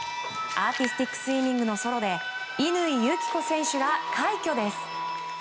アーティスティックスイミングのソロで乾友紀子選手が快挙です。